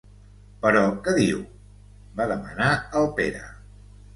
Però què diu? —va demanar el Pere.